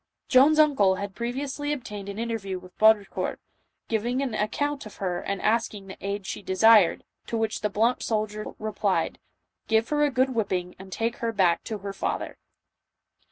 Joan's uncle had previously obtained an interview with Baudricourt, giving an account of her and asking the aid she desired, to which the blunt soldier replied, " Give her a good whipping and take her back to her father."